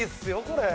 これ。